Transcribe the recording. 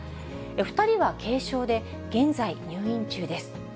２人は軽症で、現在、入院中です。